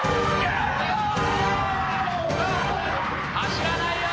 走らないように。